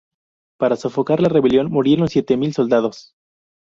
Para sofocar la rebelión murieron siete mil soldados.